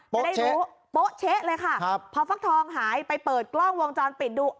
จะได้รู้โป๊ะเช๊ะเลยค่ะพอฟักทองหายไปเปิดกล้องวงจรปิดดู